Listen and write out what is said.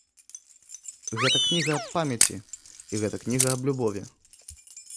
Гэта кніга аб памяці і гэта кніга аб любові.